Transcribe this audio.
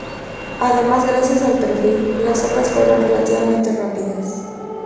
Además gracias al perfil, las obras fueron relativamente rápidas.